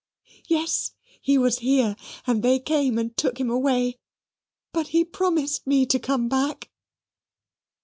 Yes, he was here: and they came and took him away, but he promised me to come back."